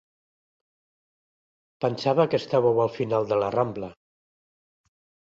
Pensava que estàveu al final de la Rambla.